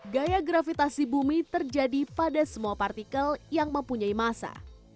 gaya gravitasi bumi terjadi pada semua partikel yang mempunyai masa